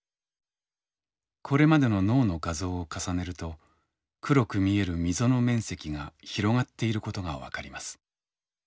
これまでの脳の画像を重ねると黒く見える溝の面積が広がっていることが分かります。